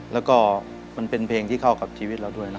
แล้วก็มันเป็นเพลงที่เข้ากับชีวิตเราด้วยนะ